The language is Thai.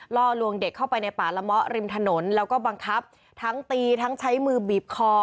ล่อลวงเด็กเข้าไปในป่าละเมาะริมถนนแล้วก็บังคับทั้งตีทั้งใช้มือบีบคอ